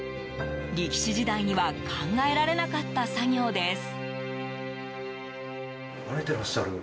力士時代には考えられなかった作業です。